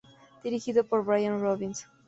Dirigido por Brian Robbins.